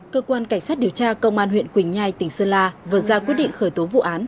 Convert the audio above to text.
cơ quan cảnh sát điều tra công an huyện quỳnh nhai tỉnh sơn la vừa ra quyết định khởi tố vụ án